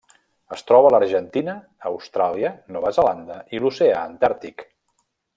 Es troba a l'Argentina, Austràlia, Nova Zelanda i l'Oceà Antàrtic.